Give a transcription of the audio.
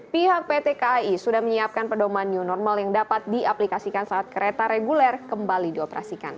pihak pt kai sudah menyiapkan pedoman new normal yang dapat diaplikasikan saat kereta reguler kembali dioperasikan